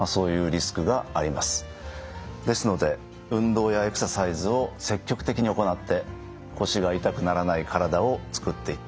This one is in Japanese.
ですので運動やエクササイズを積極的に行って腰が痛くならない体を作っていってください。